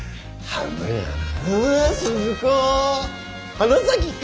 花咲か！